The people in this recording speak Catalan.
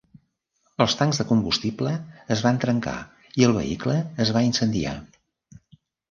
Els tancs de combustible es van trencar i el vehicle es va incendiar.